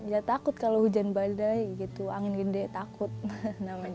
ya takut kalau hujan badai gitu angin gede takut namanya